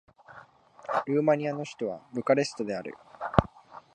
ルーマニアの首都はブカレストである